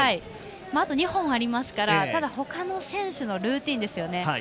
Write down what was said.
あと２本ありますからただ、ほかの選手のルーティンですよね。